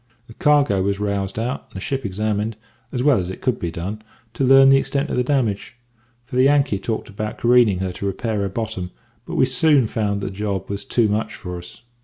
"The cargo was roused out, and the ship examined, as well as it could be done, to learn the extent of the damage, for the Yankee talked about careening her to repair her bottom; but we soon found that the job was too much for us.